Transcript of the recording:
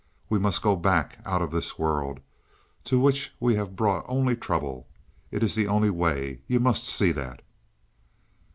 We must go back, out of this world, to which we have brought only trouble. It is the only way; you must see that."